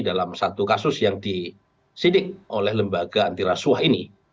dalam satu kasus yang disidik oleh lembaga antirasuah ini